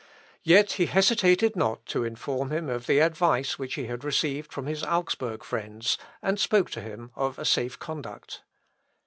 Yet he hesitated not to inform him of the advice which he had received from his Augsburg friends, and spoke to him of a safe conduct.